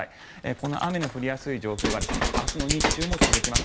この雨の降りやすい状況が明日の日中も続きます。